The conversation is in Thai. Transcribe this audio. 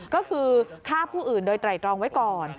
ก็คือฆ่าผู้อื่นโดยไตรตรองไว้ก่อน